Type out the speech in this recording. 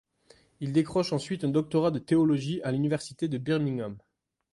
Il décroche ensuite un doctorat de théologie à l'université de Birmingham.